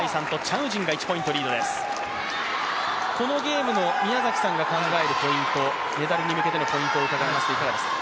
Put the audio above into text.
このゲームの宮崎さんが考えるポイント、メダルに関するポイントはいかがですか？